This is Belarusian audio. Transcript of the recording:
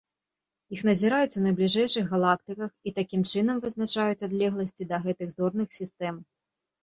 Іх назіраюць у найбліжэйшых галактыках і такім чынам вызначаюць адлегласці да гэтых зорных сістэм.